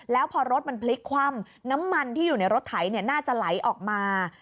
แล้วพอรถมันพลิกคว่ำน้ำมันที่อยู่ในรถไถน่าจะไหลออกมา